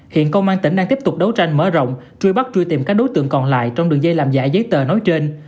hiện công an tỉnh đang tiếp tục đấu tranh mở rộng trui bắt trui tìm các đối tượng còn lại trong đường dây làm giải giấy tờ nói trên